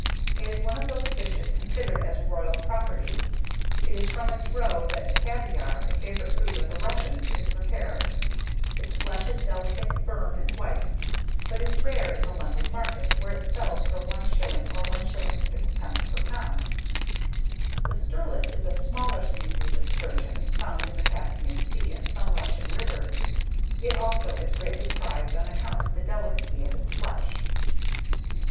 It is one of those fishes considered as royal property. It is from its roe that caviare, a favourite food of the Russians, is prepared. Its flesh is delicate, firm, and white, but is rare in the London market, where it sells for 1s. or 1s. 6d. per lb. THE STERLET is a smaller species of sturgeon, found in the Caspian Sea and some Russian rivers. It also is greatly prized on account of the delicacy of its flesh.